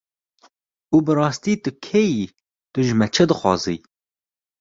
Û tu bi rastî kî yî, tu ji me çi dixwazî?